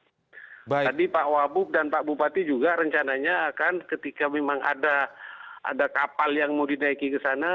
tadi pak wabuk dan pak bupati juga rencananya akan ketika memang ada kapal yang mau dinaiki ke sana